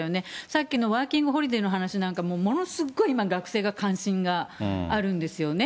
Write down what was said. さっきのワーキングホリデーの話なんかも、ものすごい今、学生が関心があるんですよね。